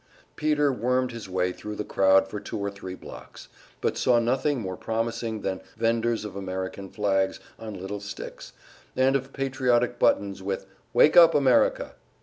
Peter wormed his way thru the crowd for two or three blocks, but saw nothing more promising than venders of American flags on little sticks, and of patriotic buttons with "Wake up America!"